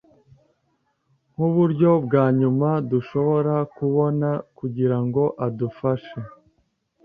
Nkuburyo bwa nyuma, dushobora kubona kugirango adufashe.